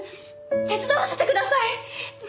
手伝わせてください！